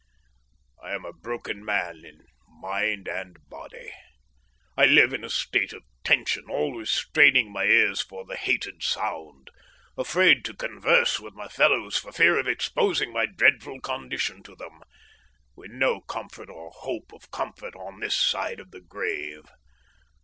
"I am a broken man in mind and body. I live in a state of tension, always straining my ears for the hated sound, afraid to converse with my fellows for fear of exposing my dreadful condition to them, with no comfort or hope of comfort on this side of the grave.